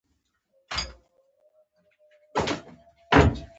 لاړ، د توت سيورې ته له خپلو قوماندانانو سره کېناست.